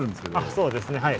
そうですねはい。